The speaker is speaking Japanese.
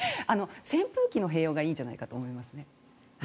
扇風機の併用がいいんじゃないかと思います。